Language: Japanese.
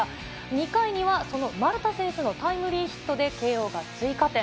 ２回には、その丸田選手のタイムリーヒットで慶応が追加点。